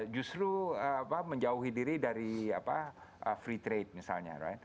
justru menjauhi diri dari free trade misalnya